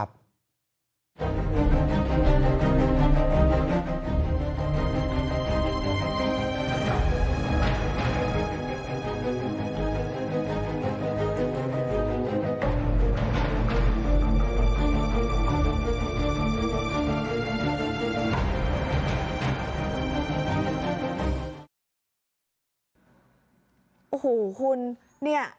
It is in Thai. โอ้โหคุณครับ